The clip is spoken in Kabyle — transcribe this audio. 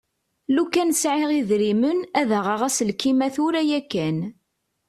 Lukan sεiɣ idrimen ad aɣeɣ aselkim-a tura yakan.